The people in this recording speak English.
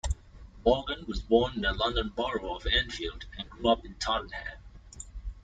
Morgan was born in the London Borough of Enfield and grew up in Tottenham.